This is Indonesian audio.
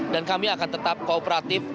dan kami akan tetap kooperatif